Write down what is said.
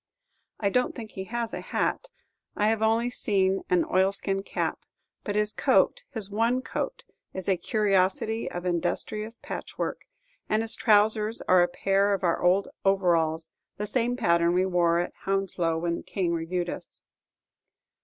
I don't think he has a hat I have only seen an oilskin cap; but his coat, his one coat, is a curiosity of industrious patchwork; and his trousers are a pair of our old overalls, the same pattern we wore at Hounslow when the King reviewed us.